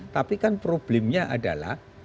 tapi kan problemnya adalah